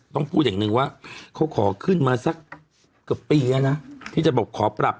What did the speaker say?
ต้องพูดอย่างหนึ่งว่าเขาขอขึ้นมาสักเกือบปีแล้วนะที่จะบอกขอปรับ